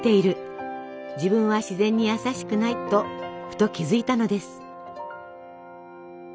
自分は自然に優しくないとふと気付いたのです。